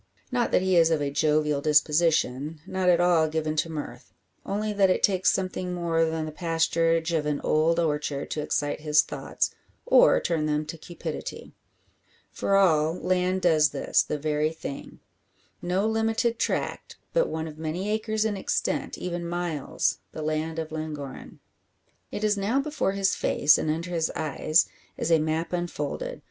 Not that he is of a jovial disposition, not at all given to mirth; only that it takes something more than the pasturage of an old orchard to excite his thoughts, or turn them to cupidity. For all, land does this the very thing. No limited tract; but one of many acres in extent even miles the land of Llangorren. It is now before his face, and under his eyes, as a map unfolded.